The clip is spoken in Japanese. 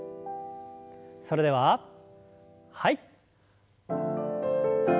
それでははい。